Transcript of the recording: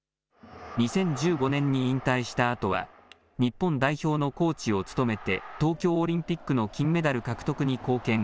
２０１５年に引退したあとは、日本代表のコーチを務めて、東京オリンピックの金メダル獲得に貢献。